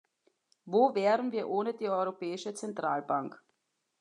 Wo wären wir ohne die Europäische Zentralbank?